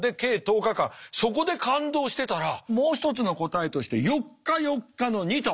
そこで感動してたらもう一つの答えとして４日４日の２と！